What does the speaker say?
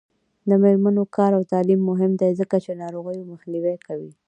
د میرمنو کار او تعلیم مهم دی ځکه چې ناروغیو مخنیوی کوي.